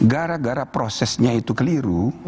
gara gara prosesnya itu keliru